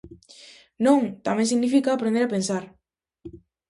Non, tamén significa aprender a pensar.